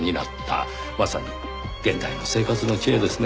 まさに現代の生活の知恵ですね。